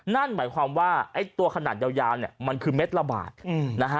นั่นหมายความว่าไอ้ตัวขนาดยาวเนี่ยมันคือเม็ดละบาทนะฮะ